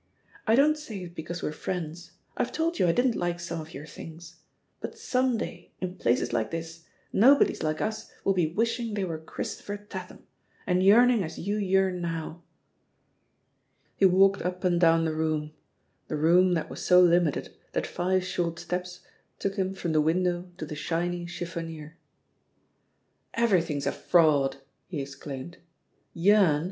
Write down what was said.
I don't say it because we're friends — I've told you I didn't like some of your things. But some day, in places like this, no bodies like us will be wishing they were Chris topher Tatham, and yearning as you yearn now." He walked up and down the room, the room €t € f&% THE POSITION OF PEGGY HARPER that was so limited that five short steps took him from the window to the shiny chiffonier. Everything's a fraud 1" he exclaimed. Yearn'